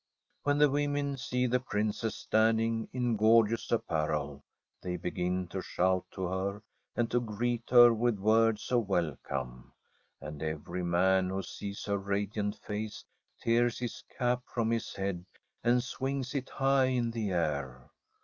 When the women see the Princess standing in gorgeous apparel, they begin to shout to her, and to greet her with words of welcome; and every man who sees her radiant face tears his cap from his head and swings it high in the air.